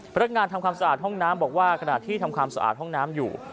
พนักงานทำความสะอาดห้องน้ำบอกว่าขณะที่ทำความสะอาดห้องน้ำอยู่